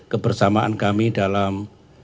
kebersamaan kami dalam